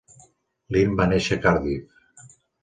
Lyn va néixer a Cardiff.